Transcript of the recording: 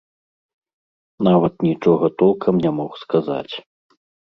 Нават нічога толкам не мог сказаць.